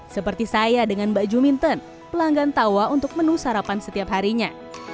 seperti saya dengan mbak juminton pelanggan tawa untuk menu sarapan setiap harinya